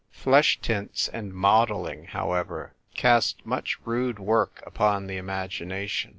Flesh tints and modelling, however, cast much rude work upon the imagination.